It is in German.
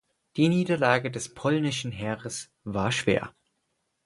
Die Niederlage des polnischen Heeres war schwer.